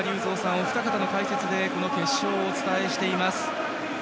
お二方の解説でこの決勝をお伝えしています。